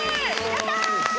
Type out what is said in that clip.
やった！